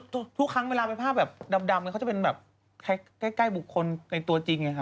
ทุกครั้งเวลาเป็นภาพแบบดำเขาจะเป็นแบบใกล้บุคคลในตัวจริงไงคะ